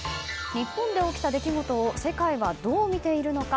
日本で起きた出来事を世界はどう見ているのか。